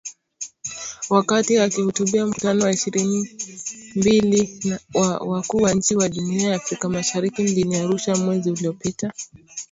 Wakati akihutubia Mkutano wa ishirini mbili wa Wakuu wa Nchi wa Jumuiya ya Afrika Mashariki mjini Arusha mwezi uliopita